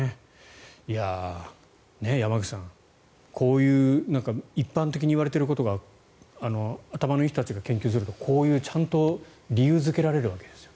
山口さん、こういう一般的に言われていることが頭のいい人たちが研究するとこうやってちゃんと理由付けられるんです。